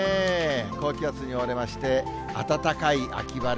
高気圧に覆われまして、暖かい秋晴れ。